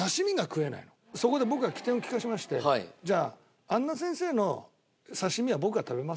そこで僕は機転を利かせましてじゃあ杏奈先生の刺し身は僕が食べますと。